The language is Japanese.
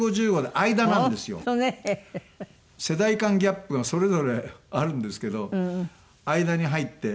世代間ギャップがそれぞれあるんですけど間に入って。